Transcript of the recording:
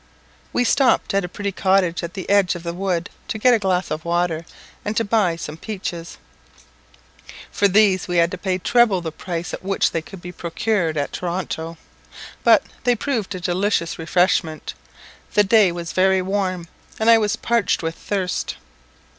We stopped at a pretty cottage at the edge of the wood to get a glass of water, and to buy some peaches. For these we had to pay treble the price at which they could be procured at Toronto; but they proved a delicious refreshment, the day was very warm, and I was parched with thirst.